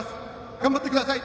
頑張ってください。